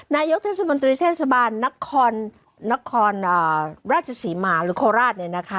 นายกเทศบันตรีเทศบาลนักคลนักคลอ่าราชสีมาหรือโคราชเนี่ยนะคะ